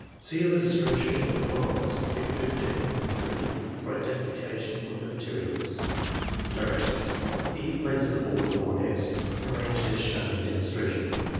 — See illustration of problems, Fig. 15 (3), for identification of the materials. Directions. — E. places the board before S., arranged as shown in "demonstration.'